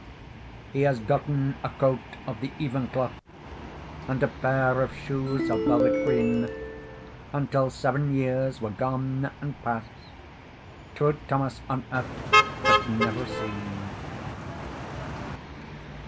He has gotten a coat of the even cloth, And a pair of shoes of velvet green, And till seven years were gane and past True Thomas on earth was never seen.